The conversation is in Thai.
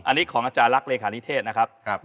อันนี้ของอาจารย์ลักษ์เลขานิเทศนะครับ